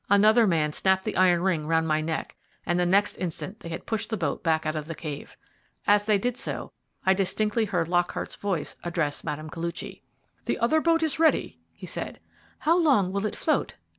Another man snapped the iron ring round my neck, and the next instant they had pushed the boat back out of the cave. As they did so, I distinctly heard Lockhart's voice address Mme. Koluchy. "The other boat is ready," he said. "How long will it float?"